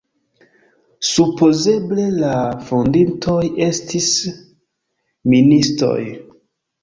Supozeble la fondintoj estis ministoj.